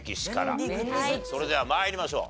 それでは参りましょう。